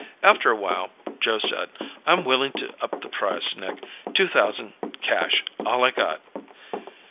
After a while, Joe said, "I'm willing to up the price, Nick. Two thousand cash. All I got."